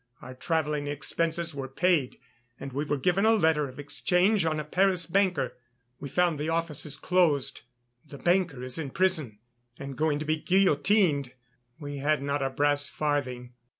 Our travelling expenses were paid and we were given a letter of exchange on a Paris banker. We found the offices closed; the banker is in prison and going to be guillotined. We had not a brass farthing.